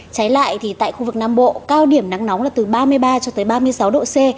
trái lại thì tại khu vực nam bộ cao điểm nắng nóng là từ ba mươi ba cho tới ba mươi sáu độ c